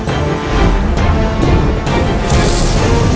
hei orang besar